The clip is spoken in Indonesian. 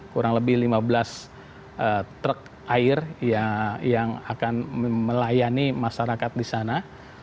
kurang lebih lima belas truk air yang akan melayani masyarakat di sana